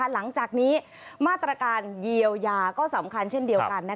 หลังจากนี้มาตรการเยียวยาก็สำคัญเช่นเดียวกัน